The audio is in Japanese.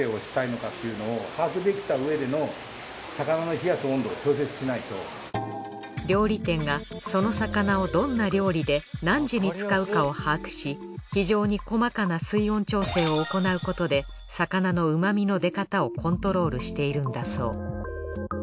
我々の状態はこの料理店がその魚をどんな料理で何時に使うかを把握し非常に細かな水温調整を行うことで魚の旨味の出方をコントロールしているんだそう。